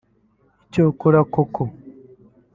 Icyokora koko